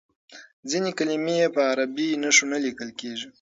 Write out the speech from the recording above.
ځینې کلمې په عربي نښو نه لیکل کیږي.